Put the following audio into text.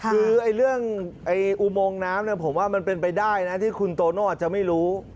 คือเรื่องอุโมงน้ำผมว่ามันเป็นไปได้นะที่คุณโตโน่อาจจะไม่รู้